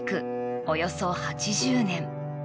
およそ８０年。